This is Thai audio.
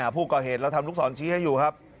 ผู้ก่อเหตุเราทำลูกศรชี้ให้อยู่ครับ